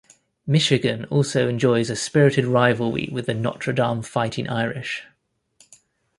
Michigan also enjoys a spirited rivalry with the Notre Dame Fighting Irish.